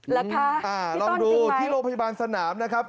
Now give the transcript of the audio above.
แล้วค่ะพี่ต้อนจริงไหมลองดูที่โรงพยาบาลสนามนะครับ